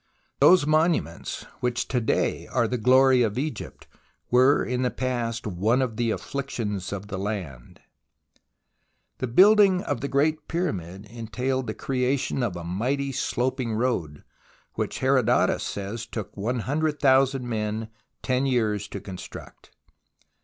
Those monuments which to day are the glory of Egypt, were in the past one of the afflictions of the land. The building of the Great Pyramid entailed the 62 THE ROMANCE OF EXCAVATION creation of a mighty sloping road, which Herodotus says took 100,000 men ten years to construct.